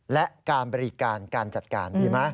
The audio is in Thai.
และการบริการการจัดการดีไหม